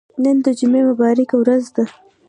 نن د جمعه مبارکه ورځ ده.